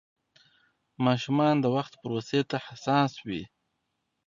ماشومان د وخت پروسې ته حساس وي.